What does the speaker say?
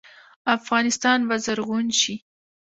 افغانستان به زرغون شي.